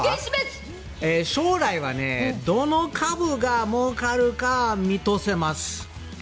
将来はね、どの株がもうかるか見通せます。